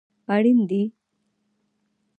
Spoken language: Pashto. اړین دي